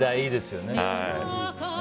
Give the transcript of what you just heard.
いいですよね。